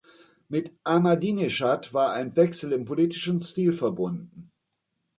Mit Ahmadineschad war ein Wechsel im politischen Stil verbunden.